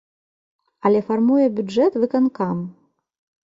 Але фармуе бюджэт выканкам.